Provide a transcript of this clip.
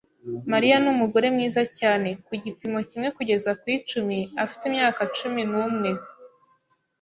Mariya numugore mwiza cyane. Ku gipimo kimwe kugeza ku icumi, afite imyaka cumi n'umwe.